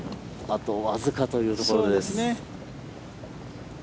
あとわずかというところです。